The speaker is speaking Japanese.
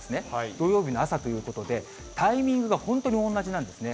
土曜日の朝ということで、タイミングが本当に同じなんですね。